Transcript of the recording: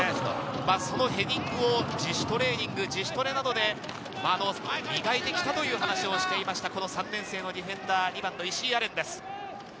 そのヘディングを自主トレーニングで磨いて来たという話をしていました、３年生のディフェンダー、２番の石井亜錬です。